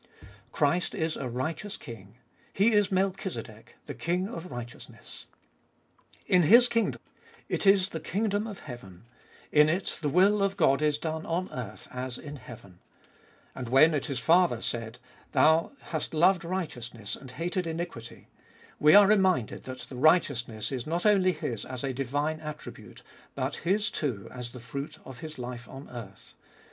Christ is a righteous King: He is Melchizedek, the King of Righteousness. In His kingdom all is righteousness and holiness. There " grace reigns through righteousness." It is the kingdom of heaven : in it the will of God is done on earth as in heaven. And when it is farther said, Thou hast loved righteousness and hated iniquity, we are reminded that the righteousness is not only His as a divine attribute, but His too as the fruit of His life on earth.